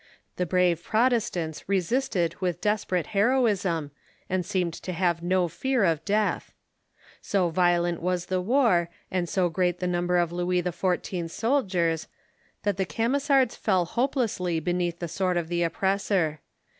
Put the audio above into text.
The brave Prot estants resisted with desperate heroism, and seemed to have no fear of death. So violent was the war, and so great the number of Louis XIV. 's soldiers, that the Camisards fell hope lessly beneath the sword of the oppressor.